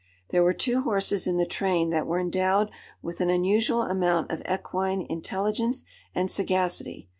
There were two horses in the train that were endowed with an unusual amount of equine intelligence and sagacity.